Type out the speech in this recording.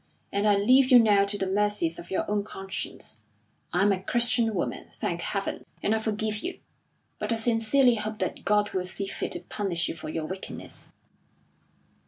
And I leave you now to the mercies of your own conscience; I am a Christian woman, thank Heaven! and I forgive you. But I sincerely hope that God will see fit to punish you for your wickedness."